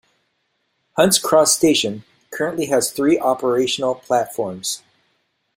Hunts Cross station currently has three operational platforms.